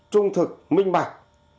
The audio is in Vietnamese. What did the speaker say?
trung thực minh bạc